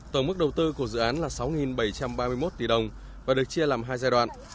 tổng mức đầu tư của dự án là sáu bảy trăm ba mươi một tỷ đồng và được chia làm hai giai đoạn